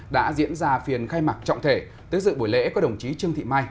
đã diễn ra phiền khai mạc trọng thể tức dự buổi lễ có đồng chí trương thị mai